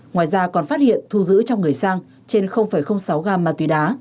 ngoài ra còn phát hiện thu giữ trong người sang trên sáu gam ma túy đá